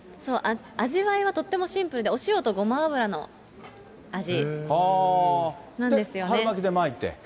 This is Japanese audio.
味わいはとってもシンプルで、お塩とごま油の味なんですよね。